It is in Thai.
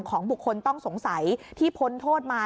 ของบุคคลต้องสงสัยที่พ้นโทษมา